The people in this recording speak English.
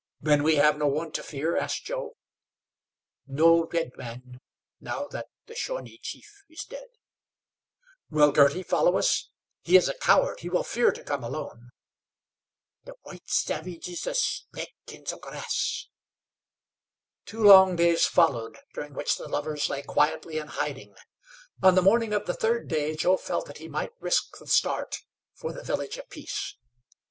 "Then we have no one to fear?" asked Joe. "No redman, now that the Shawnee chief is dead." "Will Girty follow us? He is a coward; he will fear to come alone." "The white savage is a snake in the grass." Two long days followed, during which the lovers lay quietly in hiding. On the morning of the third day Joe felt that he might risk the start for the Village of Peace.